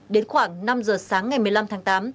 đến khoảng năm giờ sáng ngày một mươi năm tháng tám